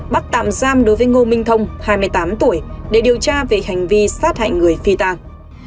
bắt tạm giam đối với ngô minh thông hai mươi tám tuổi để điều tra về hành vi sát hại người phi tàng